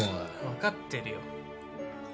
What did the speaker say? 分かってるよ